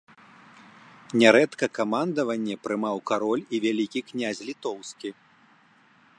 Нярэдка камандаванне прымаў кароль і вялікі князь літоўскі.